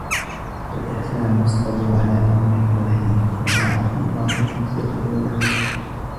وَالْإِحْسَانُ الصَّبْرُ عَلَى أَمْرِهِ وَنَهْيِهِ وَطَاعَةُ اللَّهِ فِي سِرِّهِ وَجَهْرِهِ